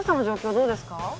どうですか？